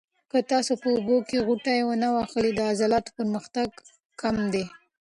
که تاسو په اوبو کې غوټه ونه وهل، د عضلاتو پرمختګ کم دی.